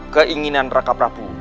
keinginan raka prabu